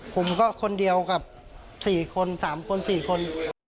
ผมก็คนเดียวกับ๔คน๓คน๔คน